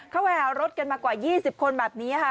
เขาแววรถกันมากว่า๒๐คนแบบนี้ค่ะ